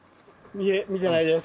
いえ見てないです。